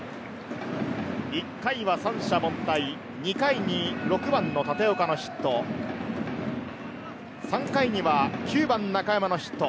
１回は三者凡退、２回に６番の立岡のヒット、３回には９番・中山のヒット。